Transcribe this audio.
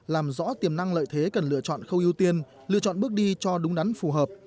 làm rõ tiềm năng lợi thế cần lựa chọn khâu ưu tiên lựa chọn bước đi cho đúng đắn phù hợp